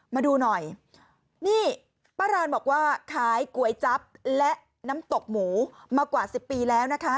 มาดูหน่อยนี่ป้ารานบอกว่าขายก๋วยจั๊บและน้ำตกหมูมากว่าสิบปีแล้วนะคะ